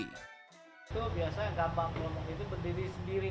itu biasanya gambang kromong itu berdiri sendiri